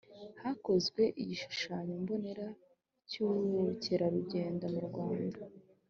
hakozwe igishushanyo mbonera cy'ubukerarugendo mu rwanda